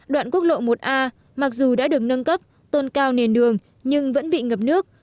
đoạn quốc lộ một a mặc dù đã được nâng cấp tôn cao nền đường nhưng vẫn bị ngập nước